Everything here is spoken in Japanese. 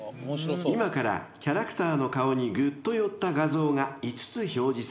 ［今からキャラクターの顔にぐっと寄った画像が５つ表示されます］